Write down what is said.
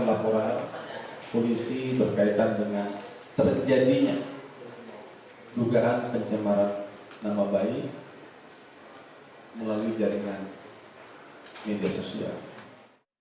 laporan polisi berkaitan dengan terjadinya dugaan pencemaran nama baik melalui jaringan media sosial